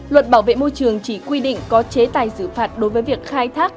luật bảo vệ môi trường chỉ quy định có chế tài xử phạt đối với việc khai thác